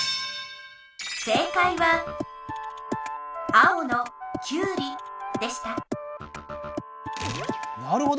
青の「キュウリ」でしたなるほど。